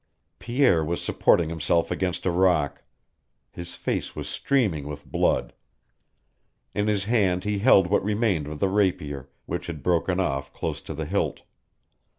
Pierre was supporting himself against a rock. His face was streaming with blood. In his hand he held what remained of the rapier, which had broken off close to the hilt.